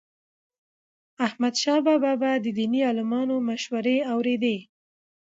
احمدشاه بابا به د دیني عالمانو مشورې اوريدي.